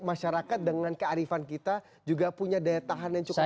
masyarakat dengan kearifan kita juga punya daya tahan yang cukup baik